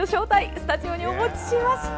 スタジオにお持ちしました！